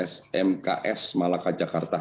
smks malaka jakarta